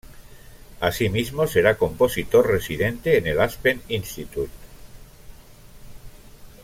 Así mismo, será compositor-residente en el Aspen Institute.